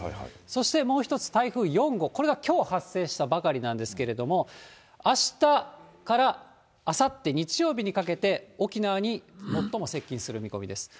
そしてもう１つ、台風４号、これがきょう発生したばかりなんですけれども、あしたからあさって日曜日にかけて、沖縄に最も接近する見込みです。